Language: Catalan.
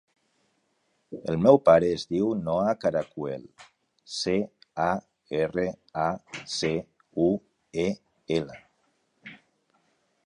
El meu pare es diu Noah Caracuel: ce, a, erra, a, ce, u, e, ela.